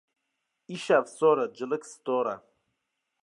Îşev sar e, cilik sitar e.